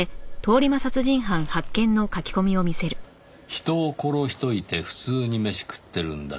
「人を殺しといて普通に飯食ってるんだけど」